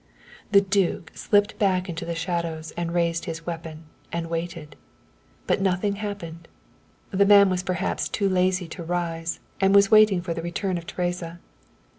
The duke slipped back into the shadows and raised his weapon and waited. But nothing happened; the man was perhaps too lazy to rise, and was waiting for the return of Teresa.